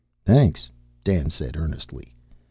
"Thanks," Dan said, earnestly.